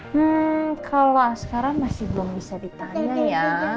hmm kalau sekarang masih belum bisa ditanya ya